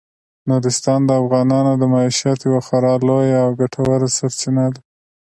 نورستان د افغانانو د معیشت یوه خورا لویه او ګټوره سرچینه ده.